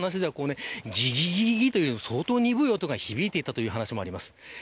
船に乗っていた方の話ではぎいぎいという相当、鈍い音が響いていたという話があります。